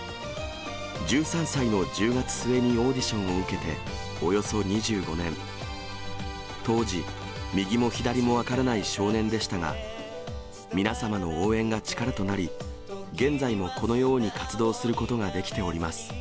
１３歳の１０月末にオーディションを受けておよそ２５年、当時、右も左も分からない少年でしたが、皆様の応援が力となり、現在もこのように活動することができております。